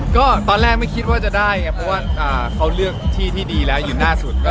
ก็ตอนแรกไม่คิดว่าจะได้ไงเพราะว่าเขาเลือกที่ที่ดีแล้วอยู่หน้าสุด